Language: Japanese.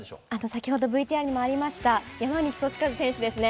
先ほどＶＴＲにもありました、山西利和選手ですね。